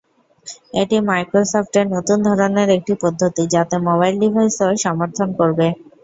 এটি মাইক্রোসফটের নতুন ধরনের একটি পদ্ধতি, যাতে মোবাইল ডিভাইসও সমর্থন করবে।